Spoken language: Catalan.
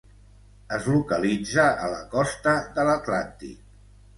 Es localitza a la costa de l'Atlàntic.